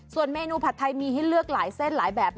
ส่วนเมนูผัดไทยมีให้เลือกหลายเส้นหลายแบบ